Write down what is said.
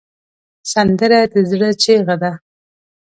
سندره د زړه چیغه ده